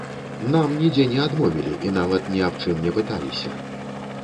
Нам нідзе не адмовілі і нават ні аб чым не пыталіся.